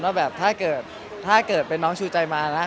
ว่าแบบถ้าเกิดถ้าเกิดเป็นน้องชูใจมานะ